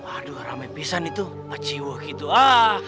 aduh rame pisan itu paciwa gitu ahhh